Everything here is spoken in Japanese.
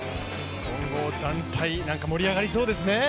混合団体盛り上がりそうですね。